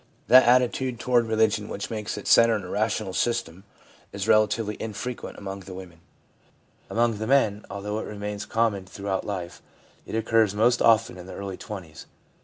That attitude toward religion which makes it centre in a rational system is relatively infrequent among the women ; among the men, although it remains common throughout life, it occurs most often in the early twenties.